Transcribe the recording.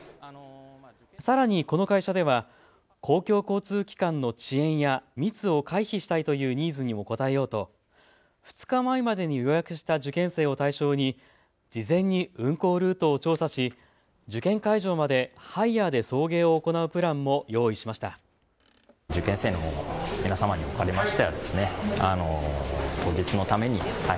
さらにこの会社では公共交通機関の遅延や密を回避したいというニーズにも応えようと２日前までに予約した受験生を対象に事前に運行ルートを調査し受験会場までハイヤーで送迎を行うプランも用意しました。